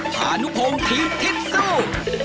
ผานุพงทีมทิศซู่